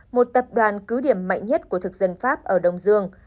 một tập đoàn cứ điểm mạnh nhất của thực dân pháp ở đông dương